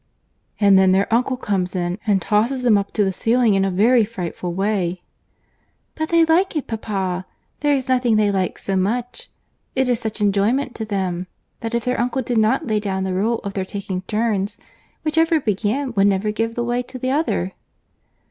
"And then their uncle comes in, and tosses them up to the ceiling in a very frightful way!" "But they like it, papa; there is nothing they like so much. It is such enjoyment to them, that if their uncle did not lay down the rule of their taking turns, whichever began would never give way to the other."